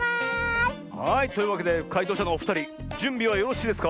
はいというわけでかいとうしゃのおふたりじゅんびはよろしいですか？